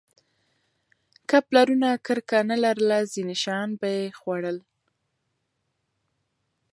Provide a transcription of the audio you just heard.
که پلرونه کرکه نه لرله، ځینې شیان به یې خوړل.